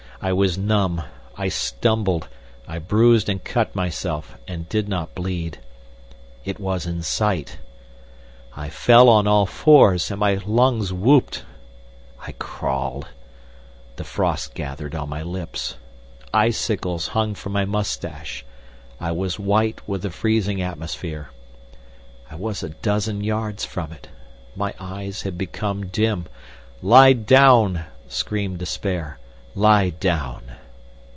I was numb, I stumbled, I bruised and cut myself and did not bleed. It was in sight. I fell on all fours, and my lungs whooped. I crawled. The frost gathered on my lips, icicles hung from my moustache, I was white with the freezing atmosphere. I was a dozen yards from it. My eyes had become dim. "Lie down!" screamed despair; "lie down!"